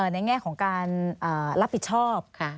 ในแง่ของการรับผิดชอบ